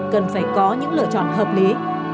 cần phải có những lựa chọn hợp lý